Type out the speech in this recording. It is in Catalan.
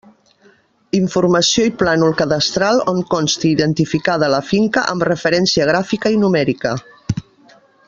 Informació i plànol cadastral on consti identificada la finca amb referència gràfica i numèrica.